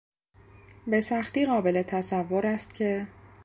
به سختی قابل تصور است که...